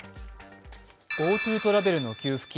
ＧｏＴｏトラベルの給付金